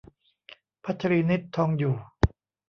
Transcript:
พัชรีนิษฐ์ ทองอยู่